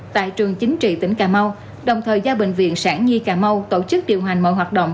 tại trường chính trị tỉnh cà mau đồng thời giao bệnh viện sản nhi cà mau tổ chức điều hành mọi hoạt động